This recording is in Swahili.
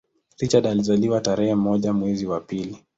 Richard alizaliwa tarehe moja mwezi wa pili